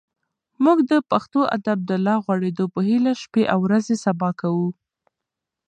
موږ د پښتو ادب د لا غوړېدو په هیله شپې او ورځې سبا کوو.